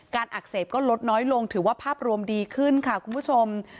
อักเสบก็ลดน้อยลงถือว่าภาพรวมดีขึ้นค่ะคุณผู้ชม